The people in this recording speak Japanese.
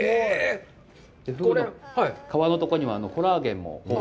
皮のとこにはコラーゲンも。